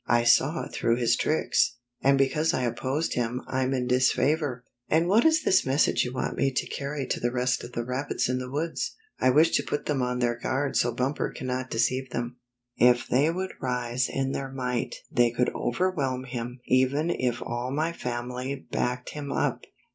I saw through his tricks, and because I opposed him I'm in disfavor." "And what is this message you want me to carry to the rest of the rabbits in the woods?" " I wish to put them on their guard so Bumper cannot deceive them. If they would rise in their might they could overwhelm him even if all my family backed him up.